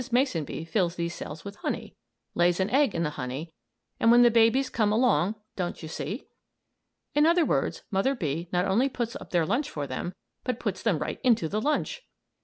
Mason Bee fills these cells with honey, lays an egg in the honey, and when the babies come along don't you see? In other words, Mother Bee not only puts up their lunch for them, but puts them right into the lunch!